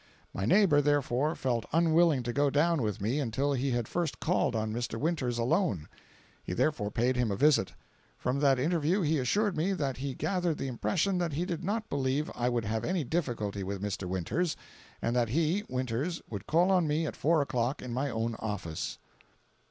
My neighbor, therefore, felt unwilling to go down with me until he had first called on Mr. Winters alone. He therefore paid him a visit. From that interview he assured me that he gathered the impression that he did not believe I would have any difficulty with Mr. Winters, and that he (Winters) would call on me at four o'clock in my own office.